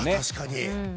確かに。